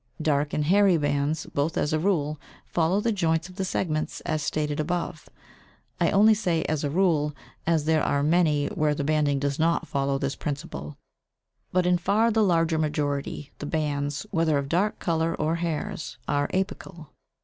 Dark and hairy bands, both as a rule, follow the joints of the segments, as stated above. I only say as a rule, as there are many where the banding does not follow this principle, but in far the larger majority the bands, whether of dark colour or hairs, are apical.